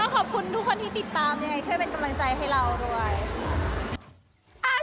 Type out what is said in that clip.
ขอบคุณทุกคนที่ติดตามยังไงช่วยเป็นกำลังใจให้เราด้วย